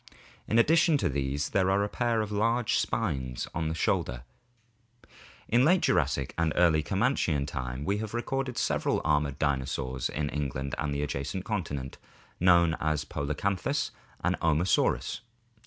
In addition to these there are a pair of large spines on the shoulders. In late Jurassic and early Comanchian (Wealden) time we have recorded several armored dinosaurs in England and the adjacent continent, known as Polacanthus and Omosaurus.